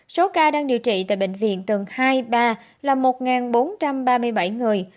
số ca đang điều trị tại bệnh viện tầng hai ba là một bốn trăm ba mươi bảy người